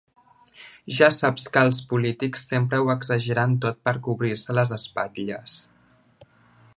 Ja saps que els polítics sempre ho exageren tot per cobrir-se les espatlles.